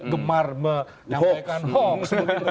gemar menyampaikan hoax